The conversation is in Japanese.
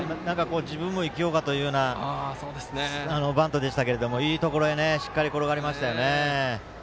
自分も生きようかというバントでしたけどもいいところへしっかり転がりました。